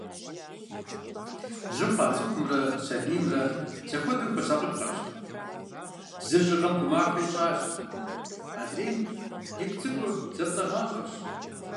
Жьы хъуа цӏыхумрэ, сэбиймрэ, зэхуэдэу хуэсакъыпхъэщ. Зыр жьыгъэм гумахэ ищӏащ, адрейм игу цӏыкӏур зэпцӏагъащӏэщ.